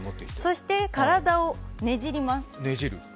そして体をねじります。